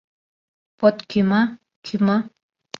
Пот кӱма, кӱма.